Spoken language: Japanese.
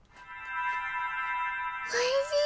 おいしい！